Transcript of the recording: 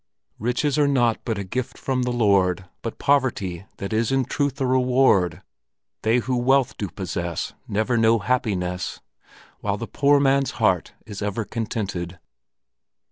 "Riches are nought but a gift from the Lord, But poverty, that is in truth a reward. They who wealth do possess Never know happiness, While the poor man's heart is ever contented!"